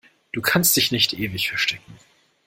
Du kannst dich nicht ewig verstecken!